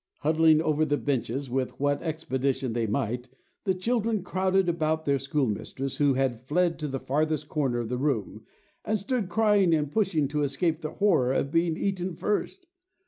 Huddling over the benches with what expedition they might, the children crowded about their schoolmistress, who had fled to the farthest corner of the room, and stood crying and pushing to escape the horror of being eaten first.